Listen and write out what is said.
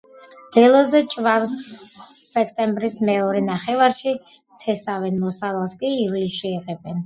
მდელოზე ჭვავს სექტემბრის მეორე ნახევარში თესავენ, მოსავალს კი ივლისში იღებენ.